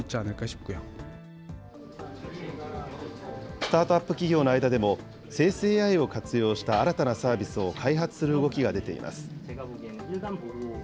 スタートアップ企業の間でも、生成ＡＩを活用した新たなサービスを開発する動きが出ています。